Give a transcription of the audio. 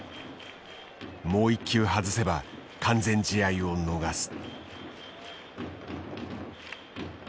もう一球外せば完全試合を逃す。